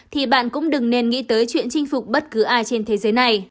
thì bạn cũng đừng nên nghĩ tới chuyện chinh phục bất cứ ai trên thế giới này